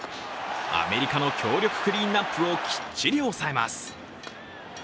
アメリカの強力クリーンアップをきっちり抑えます。